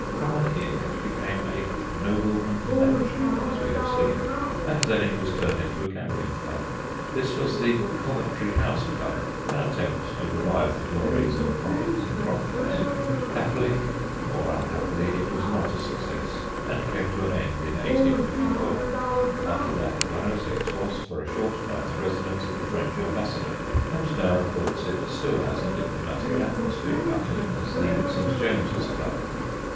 From an inn it became a * nobleman's man sion/ as we have seen, and then it was turned into a gambling club. This was the ' Coventry House Club/ an attempt to revive the glories and profits of Crockford's : happily or unhappily, it was not a success, and came to an end in 1854. After that 106 was for a short time the residence of the French Ambassador, and now, of course, BYRON'S MISS MERCER 151 it still has a diplomatic atmosphere about it as the St. James's Club.